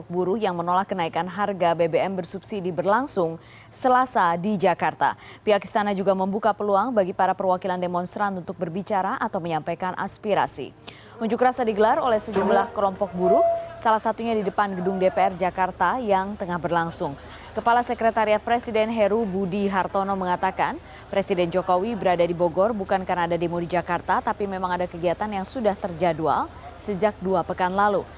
bukan karena ada demo di jakarta tapi memang ada kegiatan yang sudah terjadual sejak dua pekan lalu